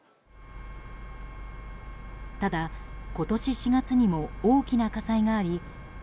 ただ今年４月にも大きな火災があり１９００